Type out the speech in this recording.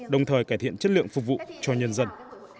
đồng thời cải thiện chất lượng phục vụ cho nhân dân